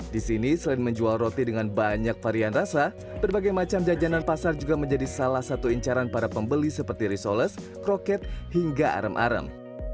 di sini selain menjual roti dengan banyak varian rasa berbagai macam jajanan pasar juga menjadi salah satu incaran para pembeli seperti risoles kroket hingga arem arem